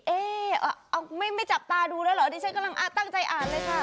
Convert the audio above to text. เอ๊ะไม่จับตาดูแล้วเหรอดิฉันกำลังตั้งใจอ่านเลยค่ะ